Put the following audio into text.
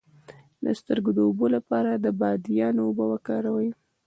د سترګو د اوبو لپاره د بادیان اوبه وکاروئ